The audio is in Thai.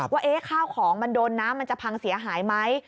ว่าข้าวของมันโดนน้ำมันจะพังเสียหายไหม